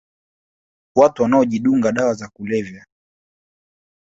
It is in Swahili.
Watu wanaojidunga dawa za kulevya